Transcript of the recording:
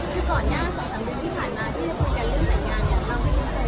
ศิษย์ขอรยากรสักนี้ที่ผ่านมาที่จะพูดกันเรื่องแต่งงานเนี้ย